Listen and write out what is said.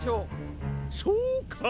そうか！